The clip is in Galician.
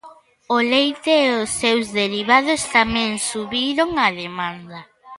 O leite e os seus derivados tamén subiron a demanda.